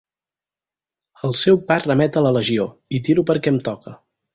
El seu pas remet a la legió, i tiro perquè em toca.